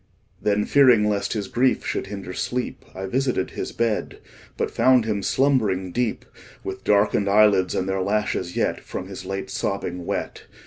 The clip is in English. Then, fearing lest his grief should hinder sleep, I visited his bed, But found him slumbering deep, With darken'd eyelids, and their lashes yet 10 From his late sobbing wet.